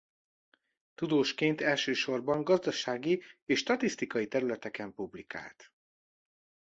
Tudósként elsősorban gazdasági és statisztikai területeken publikált.